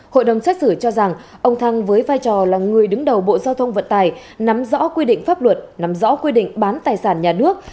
hội đồng xét xử cho rằng ông thăng với vai trò là người đứng đầu bộ giao thông vận tài nắm rõ quy định pháp luật nắm rõ quy định bán tài sản nhà nước